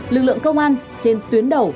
lực lượng công an trên tuyến đầu